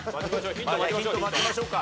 ヒント待ちましょうか。